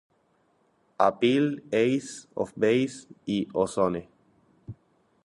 Appeal, Ace of Base y O-Zone.